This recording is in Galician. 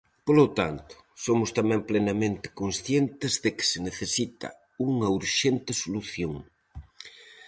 Polo tanto, somos tamén plenamente conscientes de que se necesita unha urxente solución.